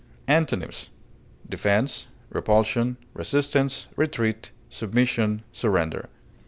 Antonyms: defense, repulsion, resistance, retreat, submission, surrender.